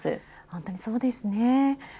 本当にそうですね。